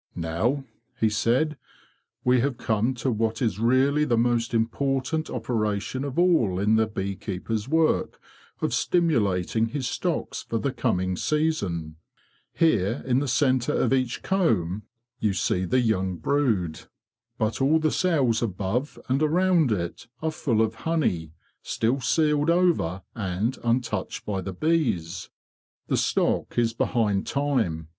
"Now," he said, " we have come to what is 30 THE BEE MASTER OF WARRILOW really the most important operation of all in the bee keeper's work of stimulating his stocks for the coming season. Here in the centre of each comb you see the young brood; but all the cells above and around it are full of honey, still sealed over and untouched by the bees. The stock is behind time.